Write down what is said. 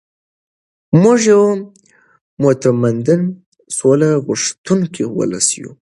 موږ یو متمدن او سوله غوښتونکی ولس یو.